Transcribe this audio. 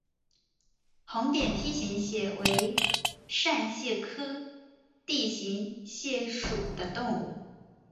红点梯形蟹为扇蟹科梯形蟹属的动物。